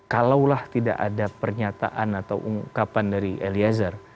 kalaulah tidak ada pernyataan atau ungkapan dari eliezer